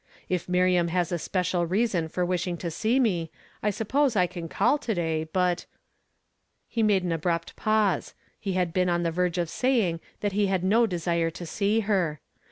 317 If Miriam has a special reason for wishing to see me, I suppose I can call to day, but "— He made an abrupt pause ; he had been on the verge of saying that he had no desire to see her.